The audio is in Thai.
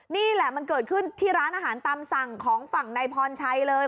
นี่แหละมันเกิดขึ้นที่ร้านอาหารตามสั่งของฝั่งนายพรชัยเลย